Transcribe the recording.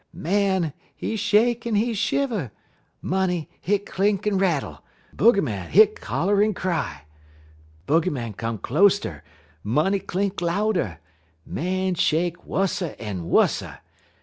_' "Man, he shake en he shiver; money, hit clink en rattle; booger, hit holler en cry. Booger come closter, money clink louder. Man shake wusser en wusser.